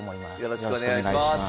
よろしくお願いします。